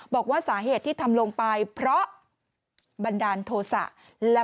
บอกว่าสาเหตุที่ทำลงไปเพราะบันดาลโทษะ